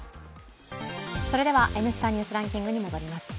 それでは「Ｎスタ・ニュースランキング」に戻ります。